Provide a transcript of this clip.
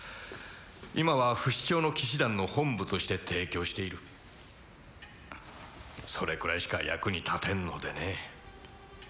今は不死鳥の騎士団の本部として提供しているそれくらいしか役に立てんのでね